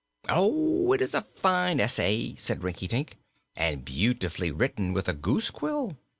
"Oh, it's a fine essay," said Rinkitink, "and beautifully written with a goosequill.